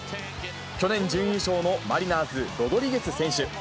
去年、準優勝のマリナーズ、ロドリゲス選手。